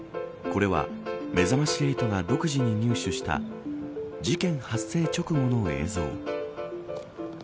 これはめざまし８が独自に入手した事件発生直後の映像。